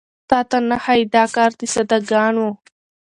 تاته نه ښايي دا کار د ساده ګانو